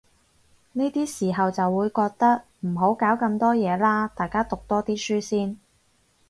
呢啲時候就會覺得，唔好搞咁多嘢喇，大家讀多啲書先